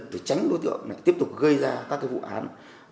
để tránh đối tượng tiếp tục gây ra các vụ án